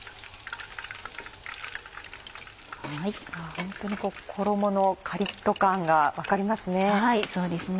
ホントに衣のカリっと感が分かりますね。